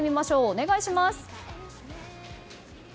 お願いします。